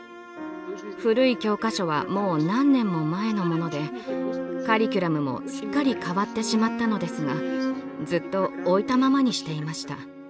古い教科書はもう何年も前のものでカリキュラムもすっかり変わってしまったのですがずっと置いたままにしていました。